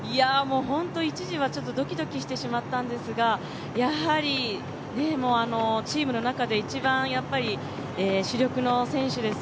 本当に一時はドキドキしてしまったんですがやはりチームの中で一番主力の選手です。